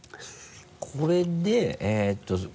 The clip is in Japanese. これでえっと。